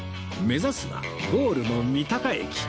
目指すはゴールの三鷹駅